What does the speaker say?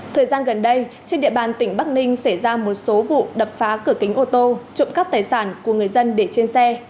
thời gian gần đây trên địa bàn tỉnh bắc ninh xảy ra một số vụ đập phá cửa kính ô tô trộm cắp tài sản của người dân để trên xe